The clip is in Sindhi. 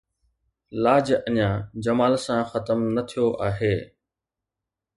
لاج اڃا جمال سان ختم نه ٿيو آهي